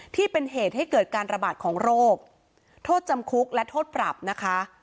ที่เป็นเหตุให้เกิดการระบาดของโรคโทษจำคุกและโทษปรับนะคะ